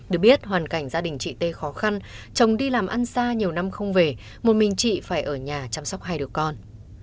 được biết hoàn cảnh gia đình chị tê khó khăn chồng đi làm ăn xa nhiều năm không về một mình chị phải ở nhà chăm sóc hai đứa con